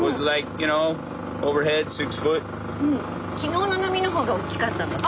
昨日の波の方が大きかったんだって。